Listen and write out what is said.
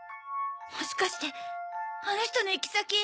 もしかしてあの人の行き先。